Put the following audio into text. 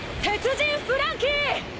鉄人フランキー！